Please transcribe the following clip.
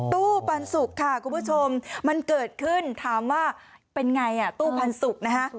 ตู้ปันสุกค่ะคุณผู้ชมมันเกิดขึ้นถามว่าเป็นไงตู้ปันสุกนะฮะ